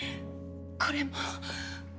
これも。